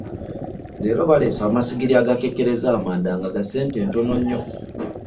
Leero baaleese amasigiri agakekereza amanda nga ga ssente entono nnyo.